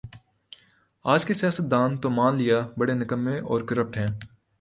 آج کے سیاستدان تو مان لیا بڑے نکمّے اورکرپٹ ہیں